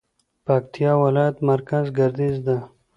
پکتيا ولايت مرکز ګردېز ده